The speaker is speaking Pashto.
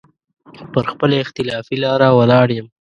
پر خپله اختلافي لاره ولاړ يم.